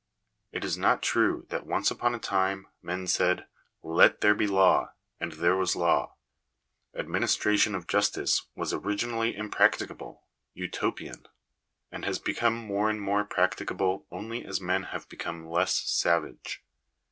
It is not true that once upon a time men said —" Let there be law" ; and there was law. Administration of justice was originally impracticable, Utopian; and has become more and more practicable only as men have become less savage.